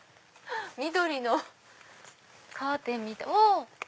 緑のカーテンみたい。